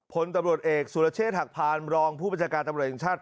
ผลตำรวจเอกสุลเชษหักพันรองผู้ปัจจักรตำรวจโลกชาติ